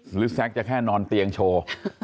แซ็กจะแค่นอนเตียงโชว์